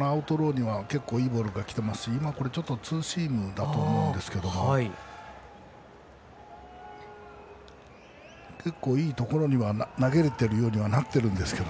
アウトローには結構いいボールがきていますしツーシームだと思うんですけど結構、いいところには投げれてるようになっているんですけど。